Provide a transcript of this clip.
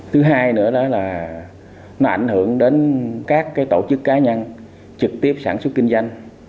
thứ hai nữa đó là nó ảnh hưởng đến các tổ chức cá nhân trực tiếp sản xuất kinh doanh